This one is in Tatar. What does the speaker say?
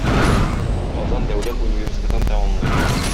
Казан дәүләт университетын тәмамлый.